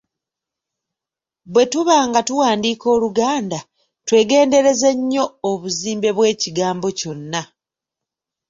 Bwetuba nga tuwandiika Oluganda, twegendereze nnyo obuzimbe bw'ekigambo kyonna.